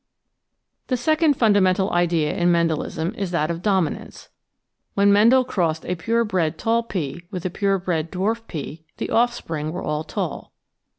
§6 The second fundamental idea in Mendelism is that of domi nance. When Mendel crossed a pure bred tall pea with a pure bred dwarf pea the offspring were all tall.